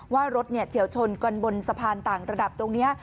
ว่ารถเฉียวชนกันบนสะพานต่างระดับตรงนี้